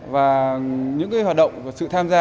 và những hoạt động và sự tham gia